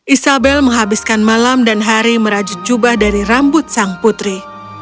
isabel menghabiskan malam dan hari merajut jubah dari rambut sang putri